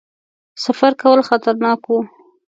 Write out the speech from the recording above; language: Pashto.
سفر کول خطرناک وو.